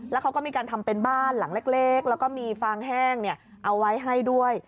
แล้วเขาก็มีการทำเป็นบ้านหลังเล็กแล้วก็มีฟางแห้งเอาไว้ให้ด้วย